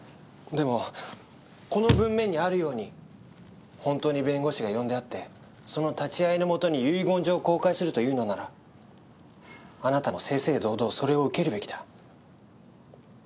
でもこの文面にあるように本当に弁護士が呼んであってその立ち会いのもとに遺言状を公開するというのならあなたも正々堂々それを受けるべきだ。